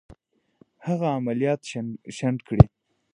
هغه عملیات شنډ کړي.